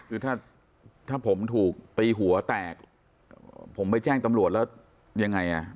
คือถ้าถ้าผมถูกตีหัวแตกผมไปแจ้งตำรวจแล้วยังไงอ่ะ